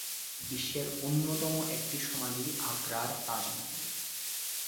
বিশ্বের অন্যতম একটি সমাধি আগ্রার তাজমহল।